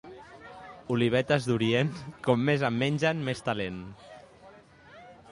Olivetes d'orient, com més en mengen, més talent.